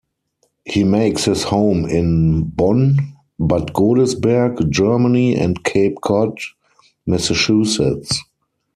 He makes his home in Bonn-Bad Godesberg, Germany and Cape Cod, Massachusetts.